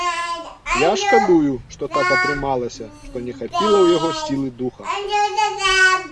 Я шкадую, што так атрымалася, што не хапіла ў яго сілы духа.